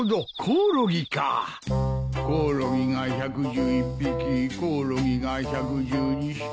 ・コオロギが１１１匹コオロギが１１２匹。